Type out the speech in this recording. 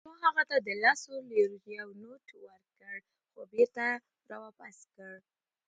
ما هغه ته د لسو لیرو یو نوټ ورکړ، خو بیرته يې راواپس کړ.